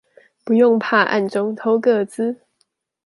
不用怕暗中偷個資